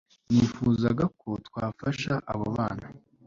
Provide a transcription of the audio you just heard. Nifuzaga ko twafasha abo bana